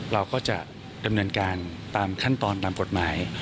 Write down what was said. เราก็จะดำเนินการตามขั้นตอนตามกฎหมาย